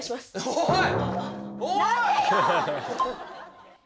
おい！